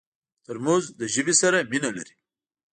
ترموز له ژمي سره مینه لري.